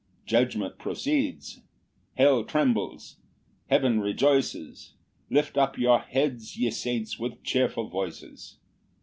Judgment proceeds; hell trembles; heaven rejoices; Lift up your heads, ye saints, with cheerful voices.